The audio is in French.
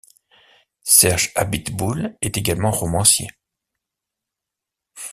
Serge Abiteboul est également romancier.